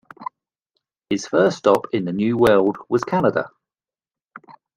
His first stop in the New World was Canada.